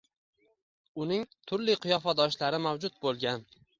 uning turli qiyofadoshlari mavjud bo‘lgan.